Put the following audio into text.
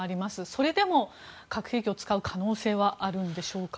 それでも核兵器を使う可能性はあるんでしょうか？